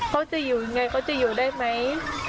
เขาจะอยู่ยังไงเขาจะอยู่ได้ไหม